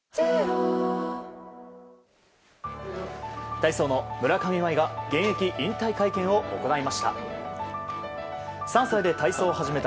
体操の村上茉愛が現役引退会見を行いました。